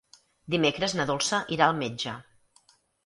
Dimecres na Dolça irà al metge.